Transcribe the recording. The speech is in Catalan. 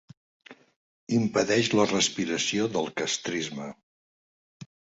Impedeix la respiració del castrisme.